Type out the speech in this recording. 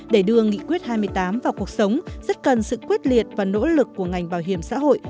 để đưa nghị quyết hai mươi tám vào cuộc sống rất cần sự quyết liệt và nỗ lực của ngành bảo hiểm xã hội